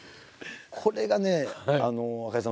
これがね赤井さん